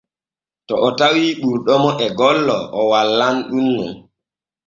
To o tawii ɓurɗomo e golla o wallan ɗun non.